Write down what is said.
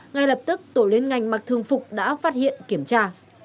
ngay lập tức tổ liên ngành mặc thường phục đã phát hiện kiểm tra